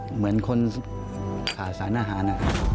เหมือนคนขาสารอาหาร